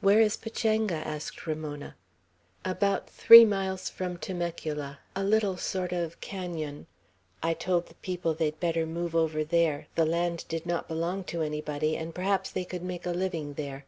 "Where is Pachanga?" asked Ramona. "About three miles from Temecula, a little sort of canon. I told the people they'd better move over there; the land did not belong to anybody, and perhaps they could make a living there.